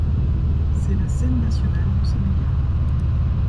C'est la scène nationale du Sénégal.